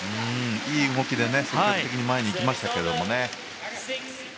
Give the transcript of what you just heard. いい動きで積極的に前に行きましたけどね。